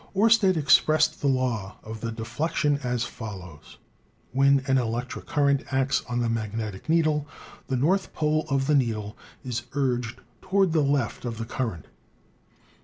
Oersted ex pressed the law of the deflection as follows: When an electric current acts on the magnetic needle, the north pole of the needle is urged toward the left of the current.